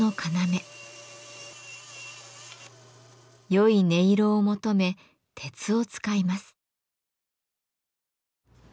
良い音色を求め鉄を使います。